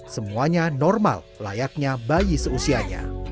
semuanya normal layaknya bayi seusianya